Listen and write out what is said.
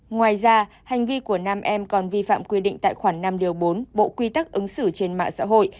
ngoài ra hành vi của nam em còn vi phạm quy định tại khoảng năm điều bốn bộ quy tắc ứng xử trên mạng xã hội